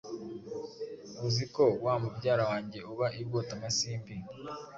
Uzi ko wa mubyara wange uba i Bwotamasimbi